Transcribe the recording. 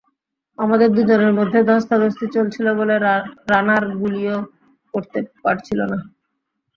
আমাদের দুজনের মধ্যে ধস্তাধস্তি চলছিল বলে রানার গুলিও করতে পারছিল না।